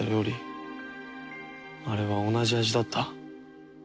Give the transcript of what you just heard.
あれは同じ味だった。